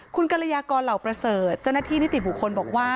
คุณกรยากรเหล่าประเสริฐเจ้าหน้าที่นิติบุคคลบอกว่า